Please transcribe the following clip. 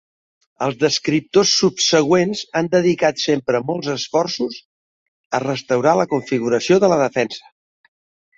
Els descriptors subsegüents han dedicat sempre molts esforços a restaurar la configuració de la defensa.